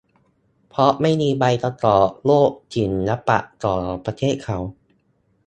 เพราะไม่มีใบประกอบโรคศิลปะของประเทศเขา